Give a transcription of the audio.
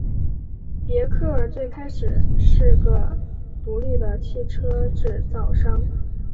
别克最开始是个独立的汽车制造商。